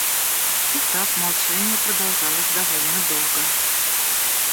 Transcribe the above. И так молчание продолжалось довольно долго.